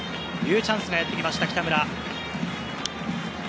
チャンスがやってきました、北村。